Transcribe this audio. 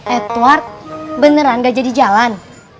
edward beneran gak jadi jalan